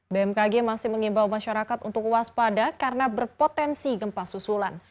bmkg masih mengimbau masyarakat untuk waspada karena berpotensi gempa susulan